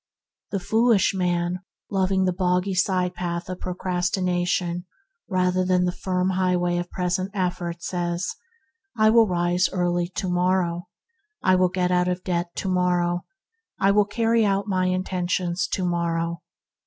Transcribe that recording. The foolish man, loving the boggy side path of procrastination rather than the firm Highway of Present Effort, says, "I will rise early to morrow; I will get out of debt to morrow; I will carry out my inten tions to morrow."